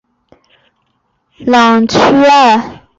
朗屈艾。